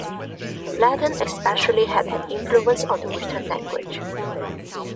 Latin especially had an influence on the written language.